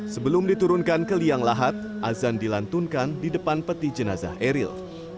sebelum diturunkan ke liang lahat azan dilantunkan di depan peti jenazah eril